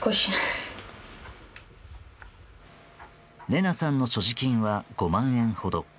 レナさんの所持金は５万円ほど。